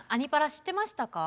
知ってましたか？